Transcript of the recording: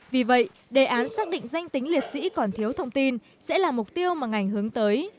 vì vậy đề án xác định danh tính liệt sĩ còn thiếu thông tin sẽ là mục tiêu mà ngành hướng tới